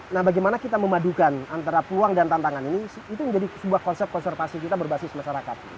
nah bagaimana kita memadukan antara peluang dan tantangan ini itu menjadi sebuah konsep konservasi kita berbasis masyarakat